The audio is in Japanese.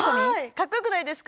かっこよくないですか？」